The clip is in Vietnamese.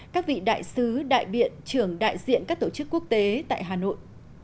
các vị đại sứ đại biện trưởng đại diện các tổ chức quốc tế tại hà nội